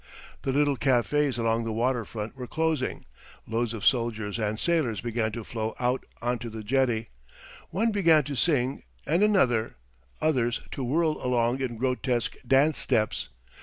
The little cafés along the water front were closing; loads of soldiers and sailors began to flow out on to the jetty. One began to sing, and another; others to whirl along in grotesque dance steps.